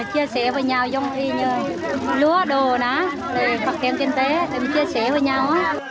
chia sẻ với nhau giống như lúa đồ phạt khen kiên tế chia sẻ với nhau